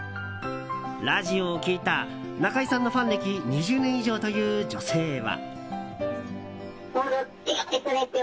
ラジオを聞いた、中居さんのファン歴２０年以上という女性は。